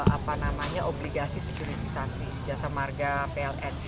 apa namanya obligasi sejuritisasi jasa marga pln